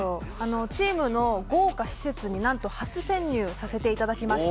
チームの豪華施設に初潜入させていただきました。